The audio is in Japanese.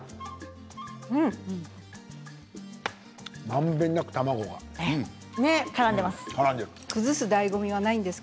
まんべんなく卵がからんでる。